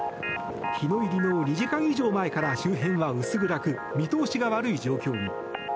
日の入りの２時間以上前から周辺は薄暗く見通しが悪い状況に。